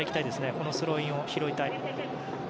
このスローインを拾いたい。